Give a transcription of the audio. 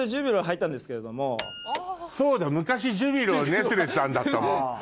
そうだ昔ジュビロはネスレさんだったもん。